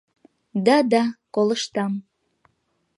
— Да, да, колыштам.